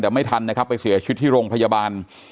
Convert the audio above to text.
แต่ไม่ทันนะครับไปเสียชีวิตที่โรงพยาบาล